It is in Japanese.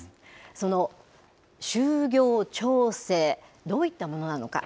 その就業調整、どういったものなのか。